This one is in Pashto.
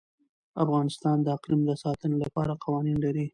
افغانستان د اقلیم د ساتنې لپاره قوانین لري.